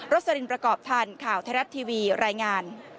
สลินประกอบทันข่าวไทยรัฐทีวีรายงาน